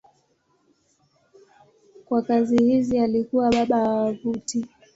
Kwa kazi hizi alikuwa baba wa wavuti.